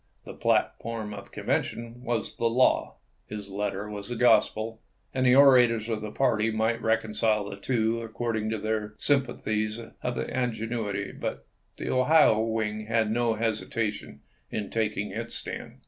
The platform of the convention was the law, his letter was the gospel, and the orators of the party might reconcile the two according to their sympathies or their ingenuity. The Ohio wing had no hesitation in taking its stand.